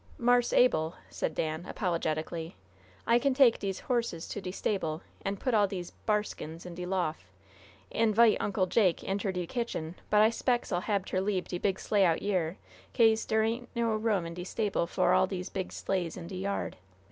"Marse Abul," said Dan, apologetically, "I can take dese horses to de stable, an' put all dese b'arskins in de lof', an' 'vite Uncle Jake inter de kitchen, but I 'spects I'll hab ter leabe de big sleigh out yere, caze dere ain't no room in de stable fo' all dese yer big sleighs in de yard.